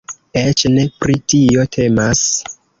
Eĉ ne pri tio temas.